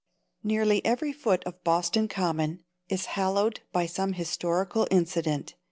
Nearly every foot of Boston Common is hallowed by some historical incident.